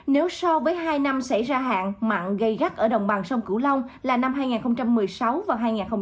nếu so với hai năm xảy ra hạn mặn gây gắt ở đồng bằng sông cửu long là năm hai nghìn một mươi sáu và hai nghìn một mươi bảy